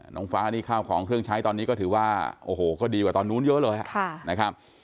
น้องฟ้านี่ข้าวของเครื่องใช้ตอนนี้ก็ถือว่าโอ้โหก็ดีกว่าตอนนู้นเยอะเลยนะครับ